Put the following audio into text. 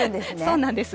そうなんです。